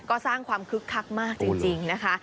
ก็สร้างความคึกคักมากจริงนะคะ